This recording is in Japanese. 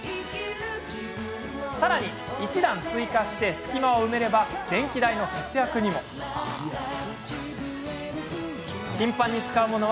さらに、一段追加して隙間を埋めれば電気代節約にもなります。